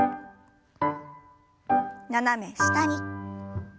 斜め下に。